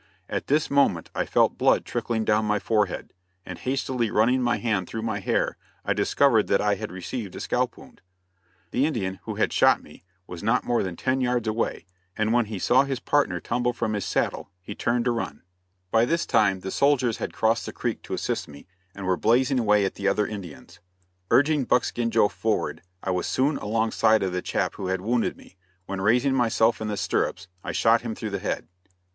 At this moment I felt blood trickling down my forehead, and hastily running my hand through my hair I discovered that I had received a scalp wound. The Indian, who had shot me, was not more than ten yards away, and when he saw his partner tumble from his saddle, he turned to run. By this time the soldiers had crossed the creek to assist me, and were blazing away at the other Indians. Urging Buckskin Joe forward, I was soon alongside of the chap who had wounded me, when raising myself in the stirrups I shot him through the head.